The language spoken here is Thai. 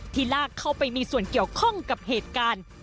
ลากเข้าไปมีส่วนเกี่ยวข้องกับเหตุการณ์